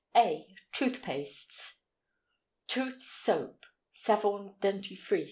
A. Tooth Pastes. TOOTH SOAP (SAVON DENTIFRICE).